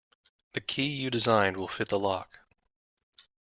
The key you designed will fit the lock.